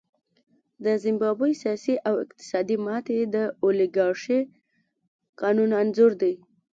د زیمبابوې سیاسي او اقتصادي ماتې د اولیګارشۍ قانون انځور دی.